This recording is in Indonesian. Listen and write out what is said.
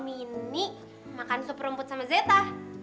mini makan sup rumput sama zeta